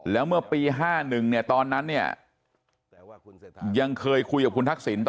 แล้วเมื่อปี๕๑ตอนนั้นยังเคยคุยกับคุณทักษิณ